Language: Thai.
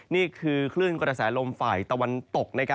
นี่คือคลื่นกระแสลมฝ่ายตะวันตก